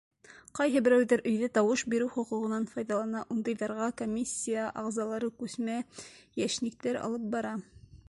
Ҡайһы берәүҙәр өйҙә тауыш биреү хоҡуғынан файҙалана, ундайҙарға комиссия ағзалары күсмә йәшниктәр алып бара.